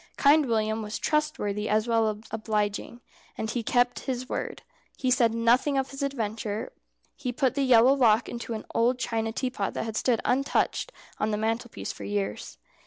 Kind William was trustworthy as well as obliging, and he kept his word. He said nothing of his adventure. He put the yellow lock into an old china teapot that had stood untouched on the mantelpiece for years.